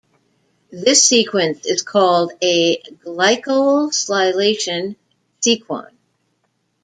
This sequence is called a glycosylation sequon.